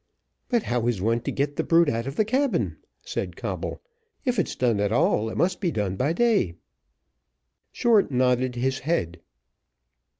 "But how is one to get the brute out of the cabin?" said Coble; "if it's done at all it must be done by day." Short nodded his head.